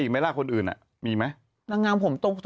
มึงฮะ